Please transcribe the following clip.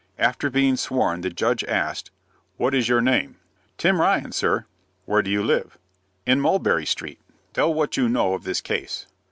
After being sworn, the judge asked, "What is your name?" "Tim Ryan, sir." "Where do you live?" "In Mulberry Street." "Tell what you know of this case."